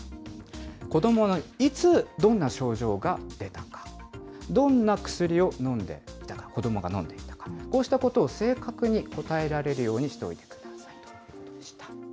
子どもにいつ、どんな症状が出たか、どんな薬を飲んでいたか、子どもが飲んでいたか、こうしたことを正確に答えられるようにしておいてくださいということでした。